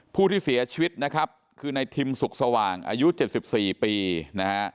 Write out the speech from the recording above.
ผู้ที่เสียชีวิตนะครับคือในทิมสุขสว่างอายุ๗๔ปีนะฮะ